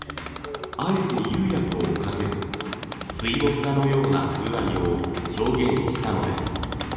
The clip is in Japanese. あえて釉薬をかけず水墨画のような風合いを表現したのです。